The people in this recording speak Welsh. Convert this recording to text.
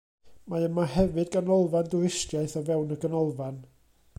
Mae yma hefyd ganolfan dwristiaeth o fewn y ganolfan.